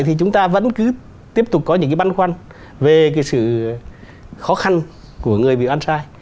thì chúng ta vẫn cứ tiếp tục có những cái băn khoăn về cái sự khó khăn của người bị oan sai